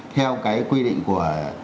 theo cái quy định của